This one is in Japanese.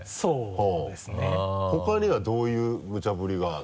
他にはどういうむちゃぶりがあるの？